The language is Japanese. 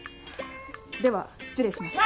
では失礼します。